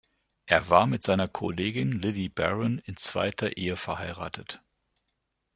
Er war mit seiner Kollegin Lily Baron in zweiter Ehe verheiratet.